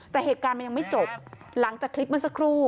แต่เหตุการณ์มันยังไม่จบหลังจากคลิปเมื่อสักครู่